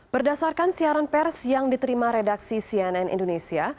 berdasarkan siaran pers yang diterima redaksi cnn indonesia